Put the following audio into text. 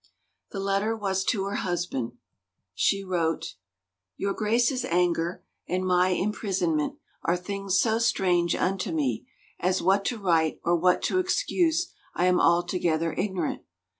The letter was to her husband. She wrote :" Your Grace's anger and my imprisonment are things so strange unto me, as what to write or what to excuse I am altogether ignorant.